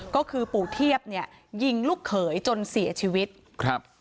ก็คือปู่เทียบเนี่ยยิงลูกเขยจนเสียชีวิตครับ